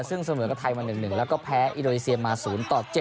ซึ่งเสมอกับไทยมา๑๑แล้วก็แพ้อินโดนีเซียมา๐ต่อ๗